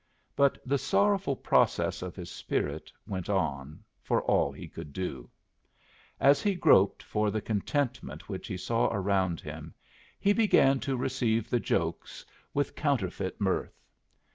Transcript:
But the sorrowful process of his spirit went on, for all he could do. As he groped for the contentment which he saw around him he began to receive the jokes with counterfeit mirth.